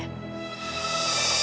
kamila masih mau hidup panjang